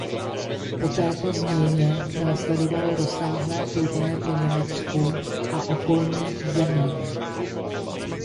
Po této změně následovalo rozsáhlé turné po Německu a okolních zemích.